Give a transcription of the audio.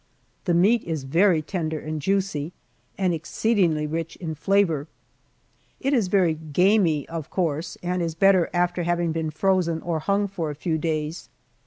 The meat is very tender and juicy and exceedingly rich in flavor. It is very "gamey," of course, and is better after having been frozen or hung for a few days.